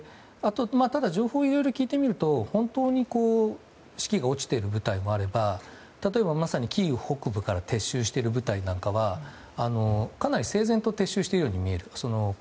ただ、情報をいろいろ聞いてみると本当に士気が落ちている部隊もあれば例えば、まさにキーウ北部から撤収している部隊なんかはかなり整然と撤収しているように見える。